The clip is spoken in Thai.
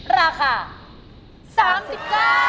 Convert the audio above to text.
ราคา๓๙บาท